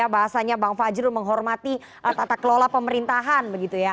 bahasanya bang fajrul menghormati tata kelola pemerintahan